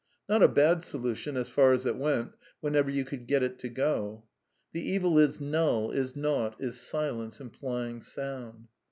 Not a bad solution^ as far as it went, whenever you could get it to go. ^ The evil is null, is nought, is silence implying sound."